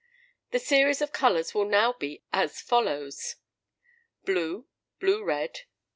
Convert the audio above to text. The series of colours will now be as follows: Blue. Blue red.